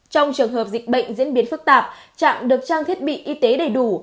trong trường hợp dịch bệnh diễn biến phức tạp trạm được trang thiết bị y tế đầy đủ